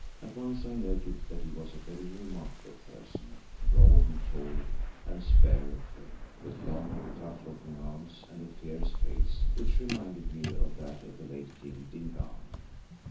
At once I noted that he was a very remarkable person, broad and tall and spare of frame, with long, tough looking arms and a fierce face which reminded me of that of the late King Dingaan.